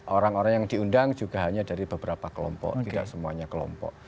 orang orang yang diundang juga hanya dari beberapa kelompok tidak semuanya kelompok